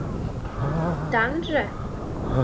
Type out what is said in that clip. Таҥже?